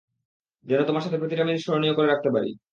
যেন তোমার সাথে প্রতিটা মিনিট স্মরণীয় করে রাখতে পারি।